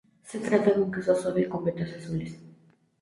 Se trata de un queso suave con vetas azules.